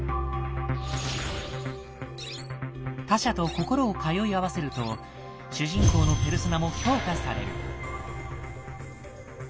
他者と心を通い合わせると主人公のペルソナも強化される。